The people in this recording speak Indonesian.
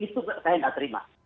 itu saya nggak terima